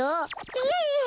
いえいえ。